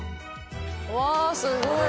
うわすごい。